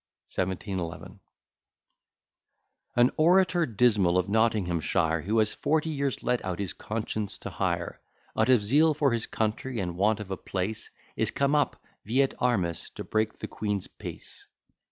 1711 An orator dismal of Nottinghamshire, Who has forty years let out his conscience to hire, Out of zeal for his country, and want of a place, Is come up, vi et armis, to break the queen's peace.